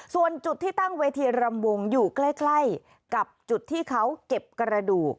ส่วนจุดที่ตั้งเวทีรำวงอยู่ใกล้กับจุดที่เขาเก็บกระดูก